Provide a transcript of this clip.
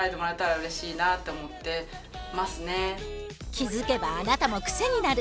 気付けばあなたもクセになる！